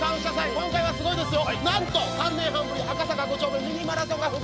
今回はすごいですよ。